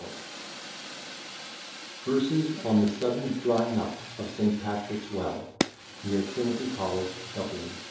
"] VERSES ON THE SUDDEN DRYING UP OF ST. PATRICK'S WELL NEAR TRINITY COLLEGE, DUBLIN.